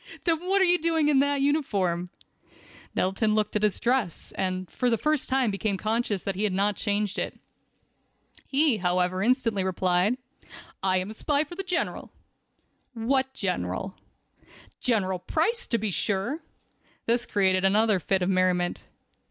Then what are you doing with that uniform?" Nettleton looked at his dress, and for the first time became conscious that he had not changed it. He, however, instantly replied: "I am a spy for the General." "What General?" "General Price, to be sure." This created another fit of merriment.